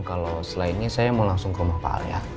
kalau selain ini saya mau langsung ke rumah pak al ya